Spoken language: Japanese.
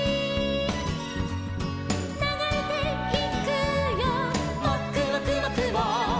「ながれていくよもくもくもくも」